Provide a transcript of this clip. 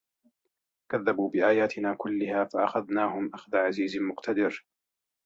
كَذَّبوا بِآياتِنا كُلِّها فَأَخَذناهُم أَخذَ عَزيزٍ مُقتَدِرٍ